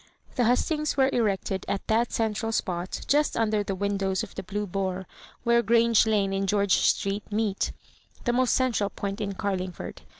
The hustings were erected at that central spot, just under the windows of the Blue Boar, where Grange Lane and Gleoige* Street meet, the most central point in Carlmgford.